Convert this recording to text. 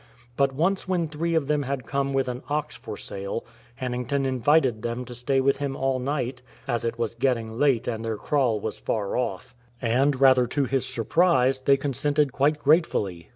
But once when three of them had come with an ox for sale, Hannington invited them to stay with him all night, as it was getting late and their kraal was far off; and, rather to his sur I 129 THE FORBIDDEN LAND prise, they consented quite gratefully.